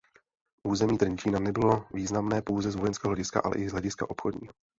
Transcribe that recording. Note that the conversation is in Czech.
Území Trenčína nebylo významné pouze z vojenského hlediska ale i z hlediska obchodního.